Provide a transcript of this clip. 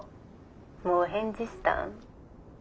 もう返事したん？